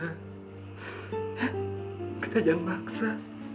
ya kita jangan maksa